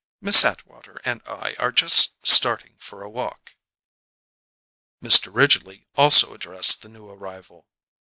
"Miss Atwater and I are just starting for a walk." Mr. Ridgely also addressed the new arrival.